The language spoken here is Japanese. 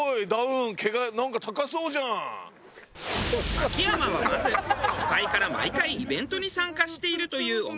秋山はまず初回から毎回イベントに参加しているというお店へ。